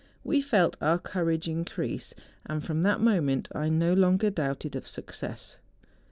We felt our courage increase, and from that moment I no longer doubted of success.